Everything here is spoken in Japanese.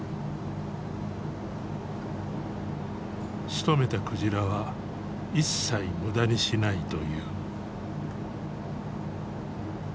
しとめた鯨は一切無駄にしないという。